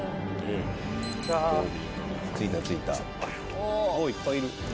おぉいっぱいいる。